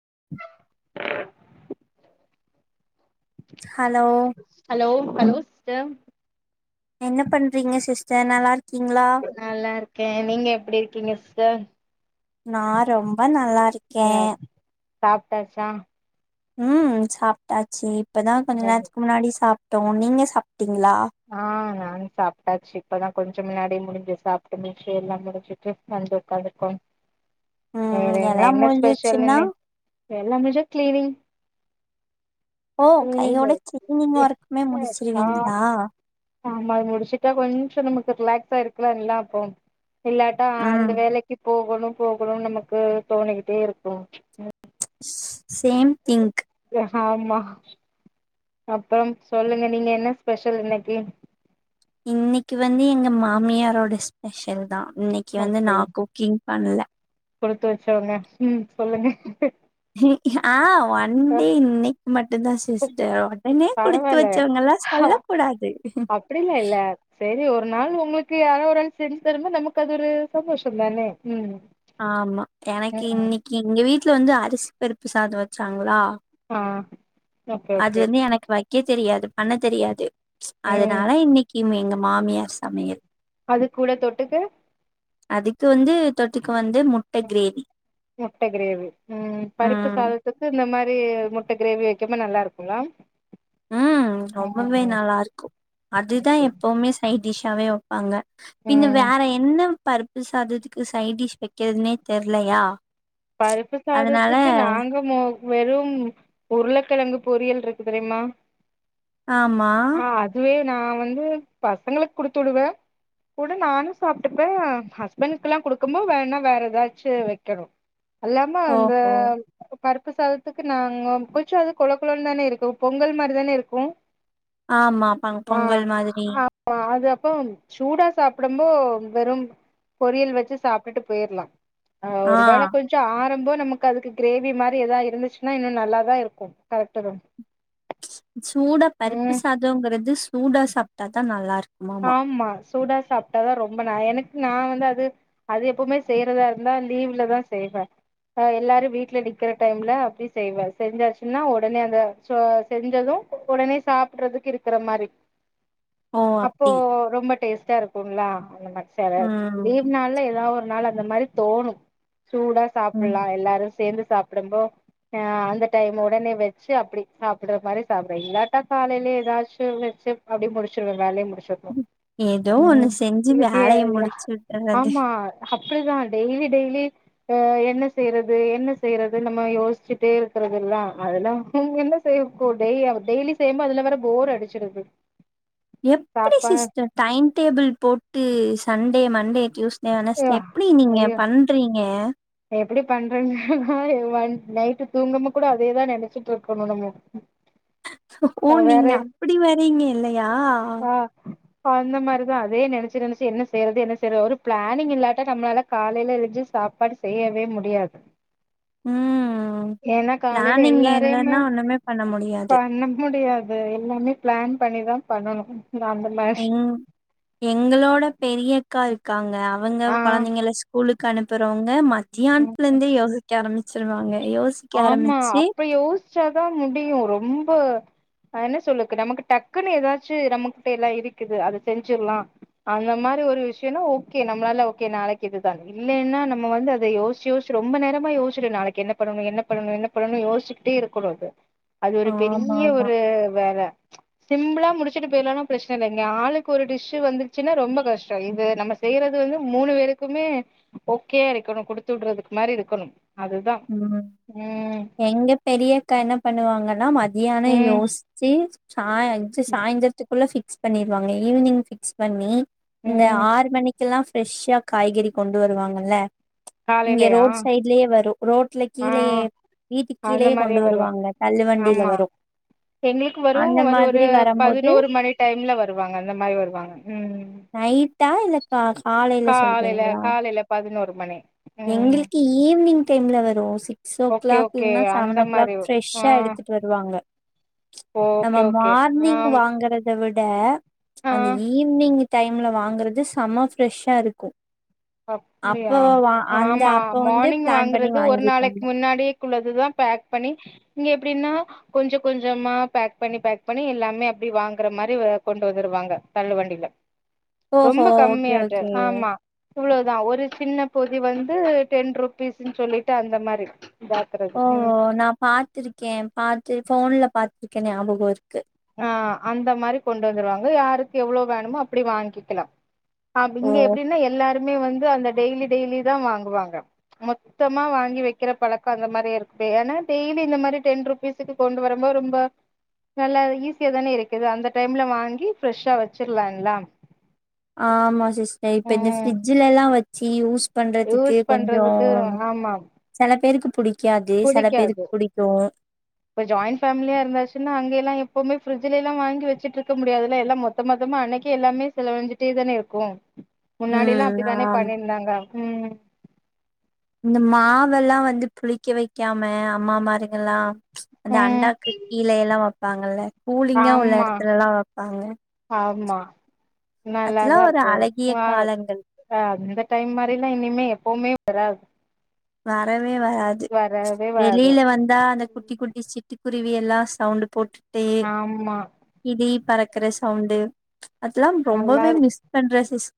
[inaudible] Hello hello hello sister என்ன பண்றீங்க sister நல்லா இருக் நல்லா இருக்கேன் நீங்க எப்டி இருக் கீங்க சிஸ்டர் நா ரொம்ப நல்லாரு க்கேன் சாப்டாச்சா உம் சாப்டாச்சி இப்பதான் கொஞ்ச நேரத்துக்கு முன்னாடி சாப் டோம் நீங்க சாப் ஆ நானு சாப்பிட்டாச்சு இப்பதான் கொஞ்சம் முன்னாடிே முடிஞ்சு சாப்ட்டு முடுச்சு எல்லாம் முடிஞ்சுட்டு வந்து உடக்காந்ருக்கோம் வேற ம் என்ன எல்லா என்ன முடிஞ்சிருச்சுன்னா ஸ்பெஷல்னு எல்லாம் முஞ்சா கிளீனிங் ஓ கிளீனிங் கையோட கீளினிங் ஒர்க்குமே ஆ முடிச்சிருவீங்களா ஆமா அது முடிச்சுட்டா கொஞ்சோ நமக்கு ரிலாக்ஸா இருக்கலாம்ல்லாம் அப்போம் இல்லாட்டா அந்த ம் வேலைக்கு போ போகணும் போகணும் நமக்கு தோணிகிட்டே இருக்கும் சேம் திங்க் ஆமா அப்புறம் சொல்லுங்க நீங்க என்ன ஸ்பெஷல் இன்னைக்கு இன்னைக்கு வந்து எங்க மாமியாரோட ஸ்பெஷல் தான் இன்னைக்கு வந்து நா குக்கிங் பண்ணல கொடுத்து வச்சவங்க ம் சொல்லுங்க ஆஹ் வந்து இன்னைக்கு மட்டும்தான் சிஸ்டர் உடனே குடுத்து பரவால்ல வச்சவங்கல்லாம் சொல்ல கூடாது அப்டிலா இல்ல செரி ஒரு நாள் உங்களுக்கு யாரோ ஒரு ஆள் செஞ்சு தரும்போது நமக்கு அது ஒரு சந்தோஷம் தான உம் ஆமா எனக்கு இன்னைக்கு இங்க வீட்டு வீட்ல வந்து அரிசி பருப்பு சாதம் வச்சாங்களா ஆ ஓகே அது ஓகே வந்து எனக்கு வைக் வைக்க தெரியாது பண்ண தெரியாது ம் அதனால இன்னைக்கு இவுங்க எங்க மாமியார் சமையல் அது கூட தொட்டுக்க அதுக்கு வந்து தொட்டுக் முட்ட கிரேவி உம் பருப்பு ம் சாதத்துக்கு இந்த மாரி வி முட்ட கிரேவி வைக்கம்ப நல்லா இருக்கும்ங்களா ஹ ரொம்பவே நல்லா இருக்கும் அதுதான் ஓகே எப்பவுமே சை டிஷ்ஷாவே வப்பாங்க பின்ன ம் வேற என்ன பருப்பு சாதத்துக்கு சைட் டிஷ் வைக்கிறதுனே தெர்லையா பருப்பு அதனால சாதத்துக்கு நாங்க மோஸ் வெறும் உருளைக்கிழங்கு பொறியல் இருக்கு தெரியுமா ஆமா நான் வந்து பசங்களுக்கு குடுத்துடுவேன் கூட நானும் சாப்ட்டுப்பேன் ஹஸ்பண்டக்குலாம் குடுக்கும்ப வேனா வேற ஏதாச்சும் வைக்கணும் அல்லாம அந்த ஓஹோ பருப்பு சாதத்துக்கு நாங்க கொஞ்சோ அது கொல கொலன்னு தான இருக்கும் பொங்கல் மாரிதான இருக்கும் ஆமா பொங்கல் மாதிரி பம் சூடா சாப்டம்போ வெறும் பொரியல் வச்சு சாப்ட்டுட்டு போயிர்லா ஆ கொஞ்சொ ஆறம்போ நமக்கு அதுக்கு கிரேவி மாரி எதா இருந்துச்சுன்னா இன்னு நல்லாதா இருக்கு கரெக்ட்டுதா சூடா பருப்பு சாதங்கிறது சூடா சாப்டா தா நல்லாருக் ஆமா சூடா சாப்டாதா ரொம்ப ந எனக் கு நா வந்து அது அது எப்பவுமே செய்யறதா இருந்தா லீவ்லதா செய்வே அ எல்லாரு வீட்ல நிக்கிற டைம்ல அப்டி செய்வே செஞ்சாச்சுன்னா ஒடனே அந்த சொ செஞ்சது ஒடனே சாப்ட்றதுக்கு இருக்குற மாரி ஓ அப்போ அப்டி ரொம்ப டேஸ்ட்டா இருக்குங்ளா அந்த ம் [unintelligible] லீவ் நாள்ல எதா ஒரு நாள் அ ந்த மாரி தோணு சூடா ம் சாப்புல்லா எல்லாரு சேந்து சாப்புடும்போ ஆ அந்த டைம் ஒடனே வச்சு அப்டி சாப்புட்ற மாரி சாப்புறே இல்லாட்டா காலைல எதாச்சு வச்சு அப்டி முடிச்சிருவே வேலைய மு டிச்சுர்னு ஏதோ ஒண்ணு செஞ்சு வேலைய முடிச்சு [unintelligible] விட்டுறது ஆமா அப்புடிதா டெய்லி டெய்லி அ என்ன செய்றது என்ன செய்றது நம்ம யோசிச்சுட்டே இருக்குறதுல்லா அதெல்லா என்ன செய்யப்பொ டெய் அவ டெய்லி செய்யம்போ அதுலா வேற போர் அடிச்சுறுது எப்பிடி சிஸ்டர் டைம் டேபிள் போட்டு Sunday Monday Tuesday Wednesday எப்டி நீங்க பண்றீங்க எப்புடி பண்றங்கனா [unintelligible] நைட்டு தூங்காம கூட அதேதா நெனைச்சிட்ருக்கணு நம்மொ ஓ நீங்க அப்புடி வரீங்க இல்லையா ஆ அந்த மாரி தா அதே நெனச்சு நெனச்சு என்ன செய்றது என்ன செய்றது ஒரு பிளானிங் இல்லாட்ட நம்மளால காலைல எழுஞ்சு சாப்பாடு செய்யவே முடியாது ம் ஏன்னா காலைல பிளானிங் எல்லாரையுமே இல்லன்னா ஒண்ணுமே பண்ண முடியாது பண்ண முடியாது எல்லாமே பிளான் பண்ணிதா பண்ணணு எங் எங்களோட பெரியக்கா இருக்காங்க அ வங்க ஆ கொழந்தைங்கல ஸ்கூலு க்கு அனுப்புறவுங்க ம த்தியான்த்லெந்தே யோசி க்க ஆரம்பிச்சிருவாங்க ஆமா அப்ப யோசுச்சாதா முடியு ரொம்ப அ என்ன சொல்லுக்கு நமக்கு டக்குன்னு எதாச்சு நம்மகிட்ட எல்லா இருக்குது அத செஞ்சிர்லா அந்த மாரி ஒரு விஷ்யன்னா ஓகே நம்மளால ஓகே நாளைக்கு இதுதானு இல்லைன்னா நம்ம வந்து அத யோசிச்சு யோசிச்சு ரொம்ப நேரமா யோச்சுட்டு நாளைக்கு என்ன பண்ணணு என்ன பண்ணணு என்ன பண்ணணு யோசிச்சிக்கிட்டே இருக்கணு அத அது ஒரு பெரிய ஆமாமா. ஒரு வேல சிம்பிளா முடிச்சுட்டு போயிர்லான பிரச்சனல்ல இங்க ஆளுக்கு ஒரு டிஷ்ஷு வந்துருச்சுன்னா ரொம்ப கஷ்டொ இது நம்ம செய்றது வந்து மூணு பேருக்குமே ஓகேயா இருக்கணு குடுத்து விடுறதுக்கு மாரி இருக்கணும் அதுதா ம். ம் எங்க பெரியக்கா என்ன பண்ணுவாங்கன்னா மதி யானம் ம் யோசிச்சு சா சாய்ந்தரத்துக்குள்ள ஃபிக்ஸ் பண்ணிருவாங்க ஈவினிங் ஃபிக்ஸ் பண்ணி இந்த ம் ஆறு மணிக் எல்லாம் ஃப்ரெஷ்ஷா காய்கறி கொண்டு வருவாங்கல்ல இங்க ரோட் சைடுலயே வரும் ரோட்ல அ கீழயே வீட்டுக்கு அந்த கீழயே மாரி கொண்டு வரும் வருவாங்க. தள்ளு வண்டியில ஆமா வரும். எங்களுக்கு வரும் அந்த ஒரு ஒரு மாதிரி வரம்போது பதினோரு மணி டைம்ல வருவாங்க அந்த மாரி வருவாங்க ம் அ காலைல சொல்றீங்ளா காலைல பதினோரு மணி ம் எங்களுக்கு ஈவ்னிங் லவரு சி க்ஸ் ஓ ஓகே கிளாக் ஓகே இல்னா அந்த செவன் ஓ கிளாக் மாரி ஆ ஃப்ரெஷ்ஷா எடுத்துட்டு வருவாங்க நம்ம ஓகே ஓகே ஆ மார்னிங் வாங்குறத‌ வி ட ஆ அந்த ஈவ்னிங்கு டைம்ல வாங்கறது செம ஃப்ரெஷ்ஷா இருக்கு அப்ப அப்புடியா வா அந்த ஆமா அப்ப வந்து மார்னிங் பிளான் பண்ணி வாங்குறது ஒரு நாளைக்கு வாங்கிப்பாங்க முன்னாடியேகுள்ளது தா பேக் பண்ணி இங்க எப் ப்டின்னா கொஞ்சொ கொஞ்சமா பேக் பண்ணி பேக் பண்ணி எல்லாமே அப்டி வாங்குற மாரி வ கொண்டு வந்துருவாங்க தள்ளு வண்டில ஓஹோ ரொம்ப ஓகே கம்மியாட்டு ஓகேங்க ஆமா இவ்ளோதா ஒரு சின்ன பொதி வந்து டென் ருபீஸுன் சொல்லிட்டு அந்த மாரி இதாக்குறது ஓ ம் நா பாத்திருக்கே பாத்து ஃபோன்ல பாத் துக்கெ ஞாபகொ இருக்கு ஆ அந்த மாரி கொண்டு வந்துருவாங்க யாருக்கு எவ்ளொ வேணுமோ அப்பிடி வாங்கிக்கலா ஆப் ஓ இங்க எப்பிடின்னா எல்லாருமே வந்து அந்த டெய்லி டெய்லி தா வாங்குவாங்க மொத்தமா வாங்கி வக்கிற பழக்கொ அந்த மாரி இருக்குப்ப ஏன்னா டெய்லி இந்த மாரி டென் ருப்பீஸுக்கு கொண்டு வரும்போது ரொம்ப நல்லாவெ ஈஸியா தானே இருக்குது அந்த டைம்ல வாங்கி ஃப்ரெஷ்ஷா வச்சுர்லா எல்லாம் ஆமா சிஸ்டர் இப்ப இந்த ஃபிரிட்ஜுலல்லா வச் சி யூஸ் பண்றதுக்கு யூஸ் கொஞ்சொ பண்றதுக்கு ஆமா செல பேருக்கு புடி புடிக்காது இப்ப ஜாயிண்ட் ஃபேமிலியா இருந்தாச்சுன்னா அங்கைல்லா எப்பவ்மே ஃப்ரிட்ஜுலைலா வாங்கி வச்சுட்ருக்க முடியாதுல்ல எல்லா மொத்த மொத்தமா அன்னைக்கே எல்லாமே செலவழுஞ்சிட்டே தானே இருக்கு முன்னாடில்லா ம் அப்டித்தானே ஆமா பண்ணியிருந்தாங்க இந்த மாவெல்லா வந்து புளிக்க வைக்காம அம்மாமாருங்கல்லா அந்த ம் அண்டாக்கு கீழ எல்லா வப்பாங்கல்ல கூலிங்கா உள்ள ஆமா எடத்துல எல்லா வைப்பாங்க. ஆ. நல்லாதா இருக்கு காலங்கள் அந்த டைம் மாரிலா இனிமே எப்பவுமே. [unintelligible] வேற. வே வராது ம்ச். வரவே வராது வெளியில வந்தா அந்த குட்டி குட்டி சிட்டு. குருவி எல்லா சவுண்ட் போட்டு. ஆமா. பறக்குற சவுண்டு. ம்ச் அதெல்லா நல்லா ரொம்பவே இரு மிஸ் பண்ற சிஸ்.